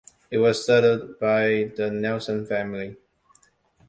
It was settled by the Nelson family.